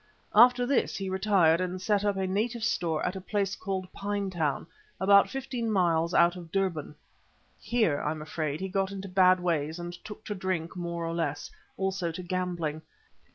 After this he retired and set up a native store at a place called Pinetown, about fifteen miles out of Durban. Here I am afraid he got into bad ways and took to drink more or less; also to gambling.